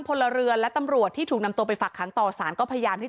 พลเรือนและตำรวจที่ถูกนำตัวไปฝักขังต่อสารก็พยายามที่